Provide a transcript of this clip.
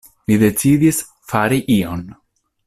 Li decidis „fari ion“.